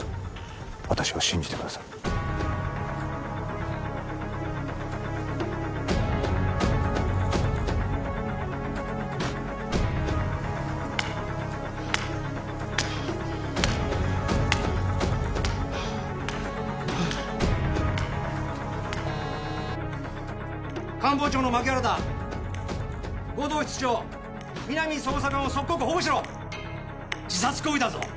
私を信じてください官房長の槇原だ護道室長皆実捜査官を即刻保護しろ自殺行為だぞ！